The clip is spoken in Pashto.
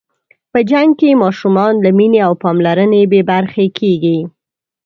په جنګ کې ماشومان له مینې او پاملرنې بې برخې کېږي.